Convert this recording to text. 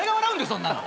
そんなの。